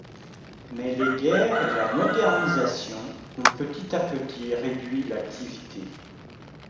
Mais les guerres et la modernisation ont petit à petit réduit l'activité.